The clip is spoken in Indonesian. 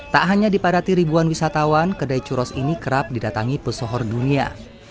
tak hanya dipadati ribuan wisatawan kedai churos ini kerap didatangi pesohor dunia